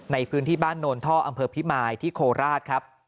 ในพื้นที่บ้านโนนท่ออำเภอพิมายที่โคราชครับ